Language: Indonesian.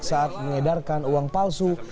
saat mengedarkan uang palsu